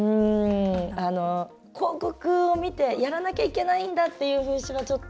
広告を見てやらなきゃいけないんだっていう風習は、ちょっと。